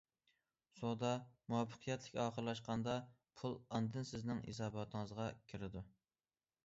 سودا مۇۋەپپەقىيەتلىك ئاخىرلاشقاندا پۇل ئاندىن سىزنىڭ ھېساباتىڭىزغا كىرىدۇ.